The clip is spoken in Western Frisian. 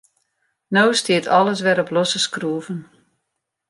No stiet alles wer op losse skroeven.